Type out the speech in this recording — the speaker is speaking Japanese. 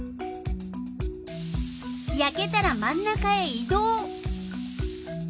やけたら真ん中へい動。